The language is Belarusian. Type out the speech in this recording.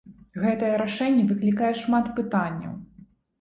Гэтае рашэнне выклікае шмат пытанняў.